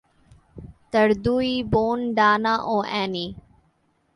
তার দুই বোন ডানা ও অ্যানি।